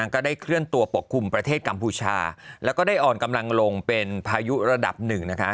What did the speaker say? ก็ได้เคลื่อนตัวปกคลุมประเทศกัมพูชาแล้วก็ได้อ่อนกำลังลงเป็นพายุระดับหนึ่งนะคะ